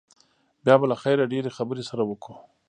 بيا به له خيره ډېرې خبرې سره وکو.